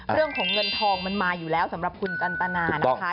เรื่องของเงินทองมันมาอยู่แล้วสำหรับคุณจันตนานะคะ